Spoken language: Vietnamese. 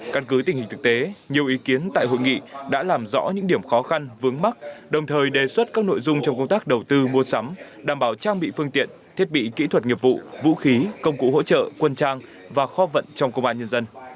căn cứ tình hình thực tế nhiều ý kiến tại hội nghị đã làm rõ những điểm khó khăn vướng mắt đồng thời đề xuất các nội dung trong công tác đầu tư mua sắm đảm bảo trang bị phương tiện thiết bị kỹ thuật nghiệp vụ vũ khí công cụ hỗ trợ quân trang và kho vận trong công an nhân dân